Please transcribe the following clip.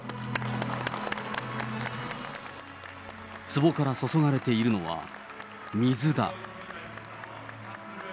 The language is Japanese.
つぼから注がれているのは、水だ。